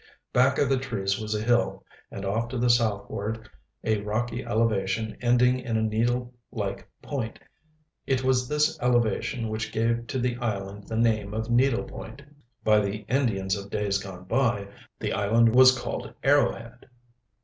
Back of the trees was a hill, and off to the southward a rocky elevation ending in a needle like point. It was this elevation which gave to the island the name of Needle Point. By the Indians of days gone by the island was called Arrow Head.